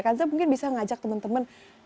kansa mungkin bisa ngajak teman teman